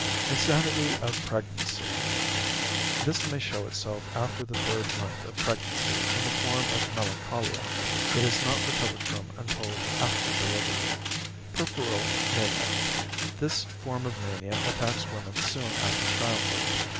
=Insanity of Pregnancy.= This may show itself after the third month of pregnancy in the form of melancholia. It is not recovered from until after delivery. =Puerperal Mania.= This form of mania attacks women soon after childbirth.